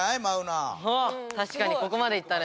たしかにここまで行ったね。